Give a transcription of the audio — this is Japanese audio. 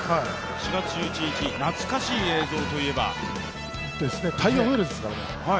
４月１１日懐かしい映像といえばですね、大洋ホエールズですからね。